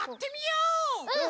うん！